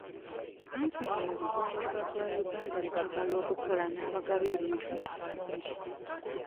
Kampuni mu buggwanjuba bwa Uganda zaagala kukola n'abagaba ebintu abalungi.